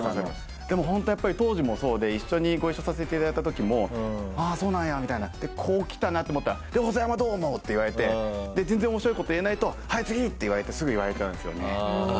でもホントやっぱり当時もそうで一緒にご一緒させて頂いた時も「ああそうなんや」みたいな。でこう来たなって思ったら「細山はどう思う？」って言われてで全然面白い事言えないと「はい次！」って言われてすぐ言われちゃうんですよね。